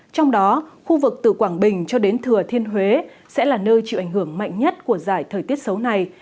trong đó khu vực từ quảng bình cho đến thừa thiên huế sẽ là nơi chịu ảnh hưởng mạnh nhất của giải thời tiết xấu này